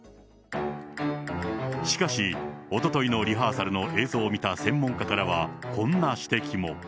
しかし、おとといのリハーサルの映像を見た専門家からは、こんな指摘も。